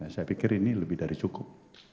saya pikir ini lebih dari cukup